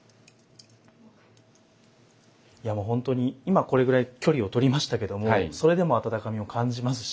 いやもうほんとに今これぐらい距離を取りましたけどもそれでも温かみを感じますし。